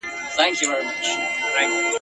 کله به ریشتیا سي، وايي بله ورځ !.